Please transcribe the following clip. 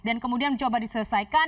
dan kemudian mencoba diselesaikan